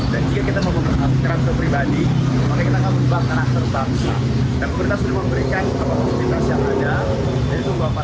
dan jika kita mau menyebabkan akter pribadi maka kita harus menyebabkan akter